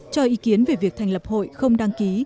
cho ý kiến về việc thành lập hội không đăng ký